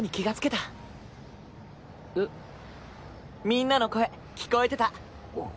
みんなの声聞こえてた。